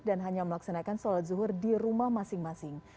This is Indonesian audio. dan hanya melaksanakan sholat zuhur di rumah masing masing